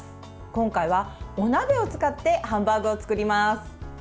今回はお鍋を使ってハンバーグを作ります。